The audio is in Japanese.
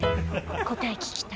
答え聞きたい。